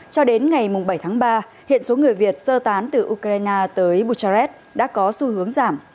cho đến ngày bảy tháng ba hiện số người việt sơ tán từ ukraine tới buchares đã có xu hướng giảm